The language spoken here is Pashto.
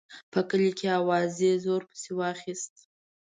په کلي کې اوازې زور پسې واخیست.